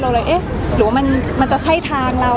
อ้อหรือว่ามันจะใช่ทางเรา